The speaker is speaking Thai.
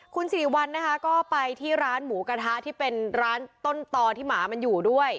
คุณสิริวัลนะคะก็ไปที่ร้านหมูกระทะที่เป็นร้านต้นตอที่หมามันอยู่ด้วย